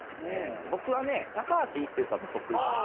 僕はね高橋一生さんのそっくりさん。